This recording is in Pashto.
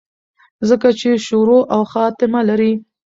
ځکه چې شورو او خاتمه لري